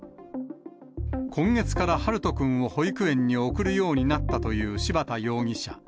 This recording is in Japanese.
今月から陽翔くんを保育園に送るようになったという柴田容疑者。